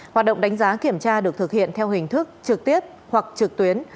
hoạt động đánh giá kiểm tra được thực hiện theo hình thức trực tiếp hoặc trực tuyến